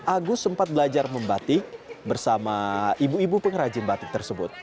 agus sempat belajar membatik bersama ibu ibu pengrajin batik tersebut